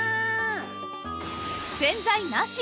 洗剤なし